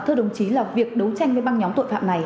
thưa đồng chí là việc đấu tranh với băng nhóm tội phạm này